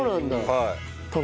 はい。